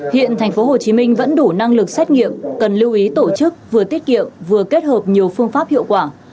hiện thành phố hồ chí minh vẫn đủ năng lực xét nghiệm cần lưu ý tổ chức vừa tiết kiệm vừa kết hợp nhiều phương pháp hiệu quả